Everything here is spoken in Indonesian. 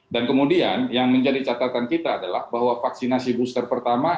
dan kemudian yang menjadi catatan kita adalah bahwa vaksinasi booster pertama